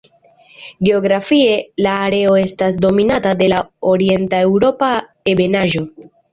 Geografie, la areo estas dominata de la Orienteŭropa ebenaĵo.